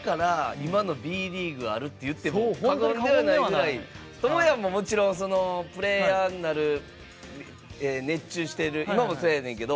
今のＢリーグあるっていっても過言ではないぐらいともやんも、もちろんプレーヤーになる、熱中してる今もそうやねんけど